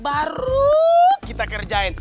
baru kita kerjain